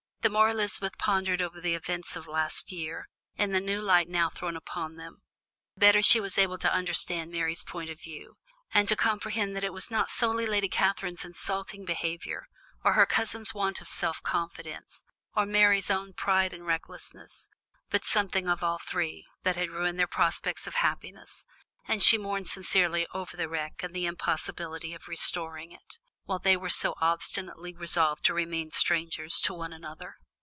The more Elizabeth pondered over the events of last year, in the new light now thrown upon them, the better she was able to understand Mary's point of view, and to comprehend that it was not solely Lady Catherine's insulting behaviour, or her cousin's want of self confidence, or Mary's own pride and recklessness, but something of all three, that had ruined their prospects of happiness; and she mourned sincerely over the wreck and the impossibility of restoring it, while they were so obstinately resolved to remain strangers to one another.